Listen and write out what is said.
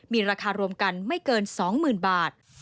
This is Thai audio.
มีราคารวมกันไม่เกิน๒๐๐๐บาท